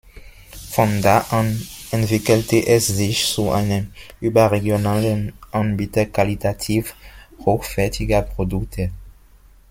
Von da an entwickelte es sich zu einem überregionalen Anbieter qualitativ hochwertiger Produkte.